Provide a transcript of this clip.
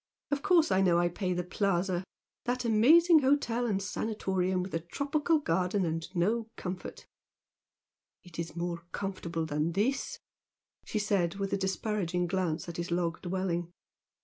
Of course I know I pay the Plaza! that amazing hotel and 'sanatorium' with a tropical garden and no comfort " "It is more comfortable than this" she said, with a disparaging glance at his log dwelling.